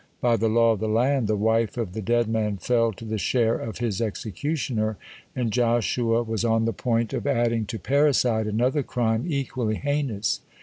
By the law of the land the wife of the dead man fell to the share of his executioner, and Joshua was on the point of adding to parricide another crime equally heinous.